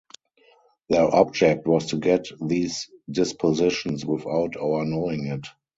Their object was to get these dispositions without our knowing it.